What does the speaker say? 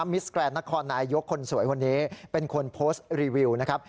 มิสแกรนดนครนายยกคนสวยคนนี้เป็นคนโพสต์รีวิวนะครับ